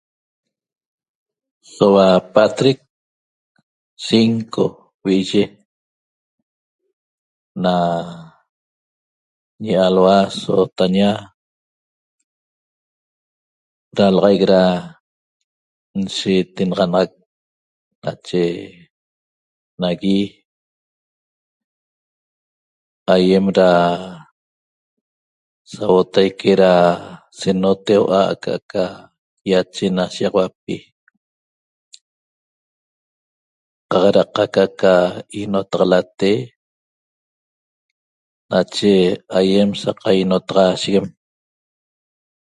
Soua pa'atrec cinco vi'i'yi na ñialhua sootaña dalaxaic da nshiitenaxanaxac nache nagui aýem da sauotaique da senoteu'a aca'aca ýache na shiýaxauapi qaq da qaca aca ýinotaxalate nache aýem sa qainotaxaasheguem